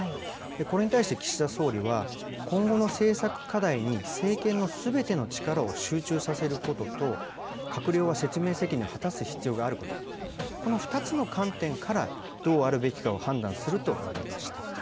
これに対して岸田総理は、今後の政策課題に政権のすべての力を集中させることと、閣僚は説明責任を果たす必要があること、この２つの観点からどうあるべきかを判断すると述べました。